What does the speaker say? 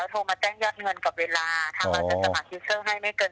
เสร็จแล้วโทรมาแต้งยอดเงินกับเวลาจากแล้วจะสมัครให้ไม่เกิน